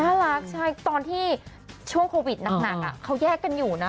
รักใช่ตอนที่ช่วงโควิดหนักเขาแยกกันอยู่นะ